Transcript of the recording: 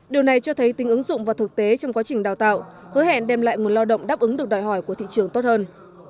điều này cho thấy tính ứng dụng và thực tế trong quá trình đào tạo hứa hẹn đem lại nguồn lao động đáp ứng được đòi hỏi của thị trường tốt hơn